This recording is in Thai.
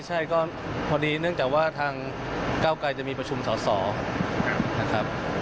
ใช่ก็พอดีเนื่องจากว่าทางเก้าไกรจะมีประชุมสอสอนะครับ